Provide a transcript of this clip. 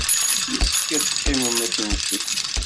Yessefk ad teqqimem ad tensem.